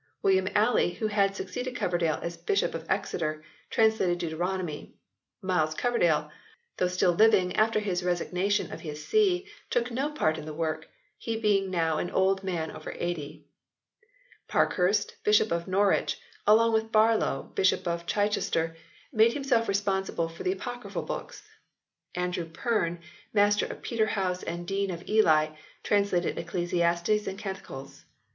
William Alley, who had succeeded Coverdale as Bishop of Exeter, translated Deuteronomy. Miles Coverdale, though still living after his resignation of his See, took no part in the work, he being now an old man over eighty. Parkhurst, Bishop of Norwich, along with Barlow, Bishop of Chichester, made himself responsible for the Apocryphal books ; Andrew Perne, Master of Peterhouse and Dean of Ely, translated Ecclesiastes and Canticles.